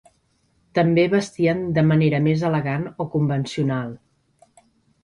També vestien de manera més elegant o convencional.